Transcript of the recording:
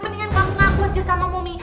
mendingan kamu ngaku aja sama bumi